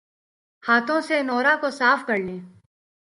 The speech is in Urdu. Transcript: ہاتھوں سے نورہ کو صاف کرلیں